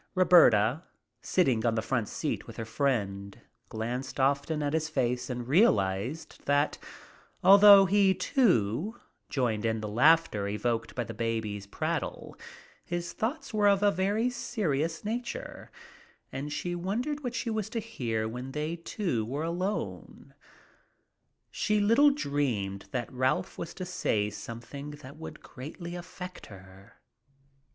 Roberta, sitting on the front seat with her friend, glanced often at his face and realized that, although he, too, joined in the laughter evoked by the baby's prattle, his thoughts were of a very serious nature, and she wondered what she was to hear when they two were alone. She little dreamed that Ralph was to say something that would greatly affect her.